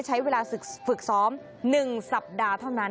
ใช้เวลาฝึกซ้อม๑สัปดาห์เท่านั้น